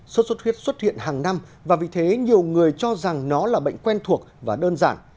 sốt xuất huyết xuất hiện hàng năm và vì thế nhiều người cho rằng nó là bệnh quen thuộc và đơn giản